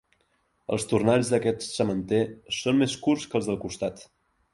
Els tornalls d'aquest sementer són més curts que els del costat.